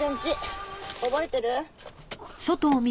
覚えてる？